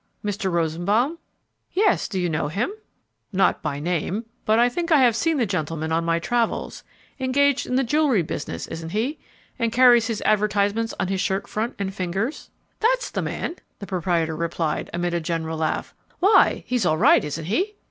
"Mr. Rosenbaum?" "Yes; do you know him?" "Not by name, but I think I have seen the gentleman on my travels; engaged in the jewelry business, isn't he, and carries his advertisements on his shirt front and fingers?" "That's the man," the proprietor replied, amid a general laugh. "Why? He's all right, isn't he?"